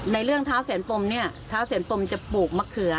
ในเรื่องเท้าแสนปมเนี่ยเท้าแสนปมจะปลูกมะเขือ